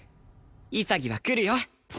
潔は来るよ！